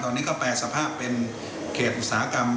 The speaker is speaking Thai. ตอนนี้ก็แปรสภาพเป็นเขตอุตสาหกรรม